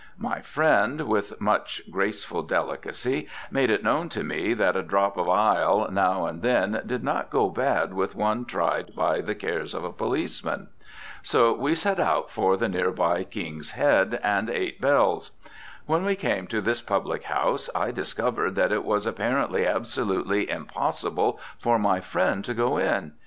My friend, with much graceful delicacy, made it known to me that a drop of "ile" now and then did not go bad with one tried by the cares of a policeman. So we set out for the nearby "King's Head and Eight Bells." When we came to this public house I discovered that it was apparently absolutely impossible for my friend to go in.